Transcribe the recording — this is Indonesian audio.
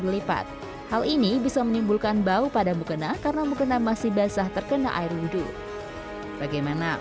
lipat hal ini bisa menimbulkan bau pada mukena karena mukena masih basah terkena air wudhu bagaimana